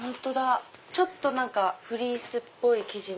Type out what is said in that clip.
ちょっとフリースっぽい生地。